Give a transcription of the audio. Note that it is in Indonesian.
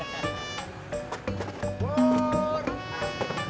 ha ha dengan monestin ke